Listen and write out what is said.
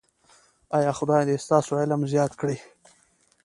ایا خدای دې ستاسو علم زیات کړي؟